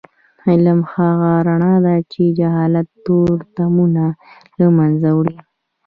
علم هغه رڼا ده چې د جهالت تورتمونه له منځه وړي.